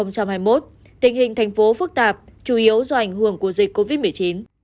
năm hai nghìn hai mươi một tình hình thành phố phức tạp chủ yếu do ảnh hưởng của dịch covid một mươi chín